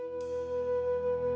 padahal gua males banget nih umi